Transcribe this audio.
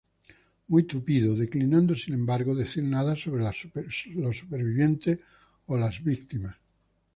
Muy tupido", declinando sin embargo, decir nada sobre los supervivientes o las víctimas.